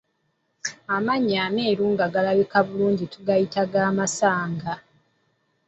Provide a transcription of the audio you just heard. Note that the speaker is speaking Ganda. Amannyo ameeru nga galabika bulungi tugayita ga masanga.